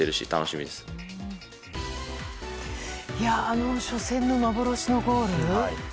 あの初戦の幻のゴール。